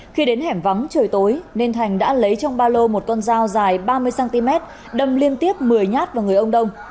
khi đến hẻm vắng trời tối nên thành đã lấy trong ba lô một con dao dài ba mươi cm đâm liên tiếp một mươi nhát vào người ông đông